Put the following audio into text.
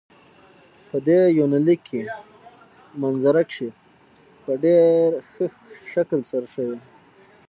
په دې يونليک کې منظره کشي په ډېر ښه شکل سره شوي.